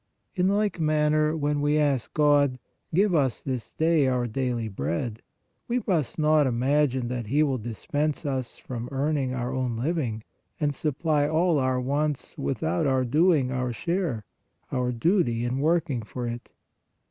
In like manner, when we ask God :" Give us this day our daily bread," we must not imagine that He will dispense us from earning our own living, and supply all our wants without our doing our share, our duty in working for it.